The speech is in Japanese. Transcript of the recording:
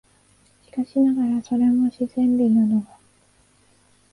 しかしながら、それも自然美なのか、